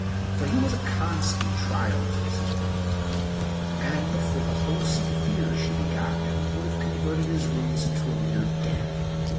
For he was a constant trial to Mrs. Rumney, and but for the wholesome fear she begot in him, would have converted his rooms into a mere den.